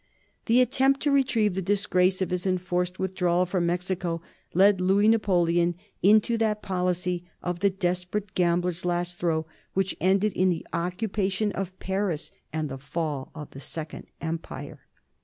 The attempt to retrieve the disgrace of his enforced withdrawal from Mexico led Louis Napoleon into that policy of the desperate gambler's last throw which ended in the occupation of Paris and the fall of the Second Empire.